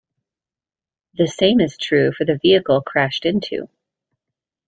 The same is true for the vehicle crashed into.